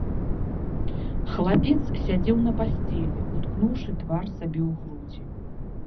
Хлапец сядзеў на пасцелі, уткнуўшы твар сабе ў грудзі.